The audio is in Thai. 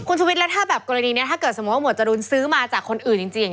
คุณชุวิตแล้วถ้าแบบกรณีนี้ถ้าหมวดจรูนซื้อมาจากคนอื่นจริง